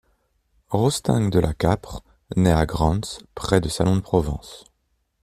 Rostaing de la Capre naît à Grans, près de Salon-de-Provence.